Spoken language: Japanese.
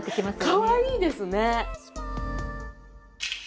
かわいいですね。